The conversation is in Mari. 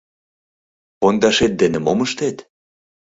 - Пондашет дене мом ыштет?